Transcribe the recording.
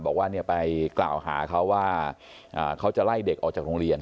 บอกว่าไปกล่าวหาเขาว่าเขาจะไล่เด็กออกจากโรงเรียน